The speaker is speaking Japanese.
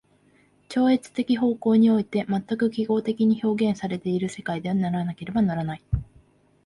超越的方向においては全く記号的に表現せられる世界でなければならない。